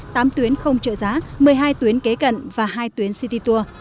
tám tuyến không trợ giá một mươi hai tuyến kế cận và hai tuyến city tour